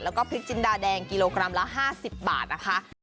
แล้วก็พริกจินดาแดงกิโลกรัมละ๕๐บาทนะคะ